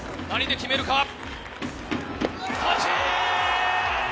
何で決めるか？